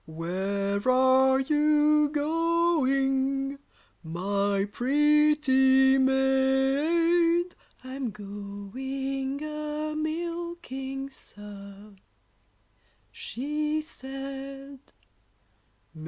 ] Where are you going, my pretty maid? I'm going a milking, sir, she said.